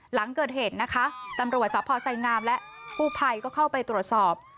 หลังเกิดเหตุนะคะตำรวจสพไซงามและกู้ภัยก็เข้าไปตรวจสอบ